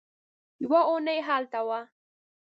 يوه اوونۍ هلته وه.